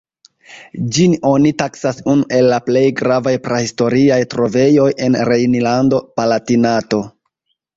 Ĝin oni taksas unu el la plej gravaj prahistoriaj trovejoj en Rejnlando-Palatinato.